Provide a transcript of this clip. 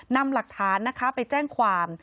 นำหลักฐานนะคะไปแจ้งความ